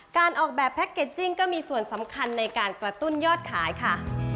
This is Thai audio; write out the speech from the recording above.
การออกแบบแพ็คเกจจิ้งก็มีส่วนสำคัญในการกระตุ้นยอดขายค่ะ